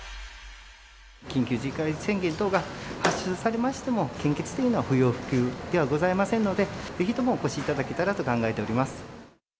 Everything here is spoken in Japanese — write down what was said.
緊急事態宣言等が発出されましても、献血というのは不要不急ではございませんので、ぜひともお越しいただけたらと考えております。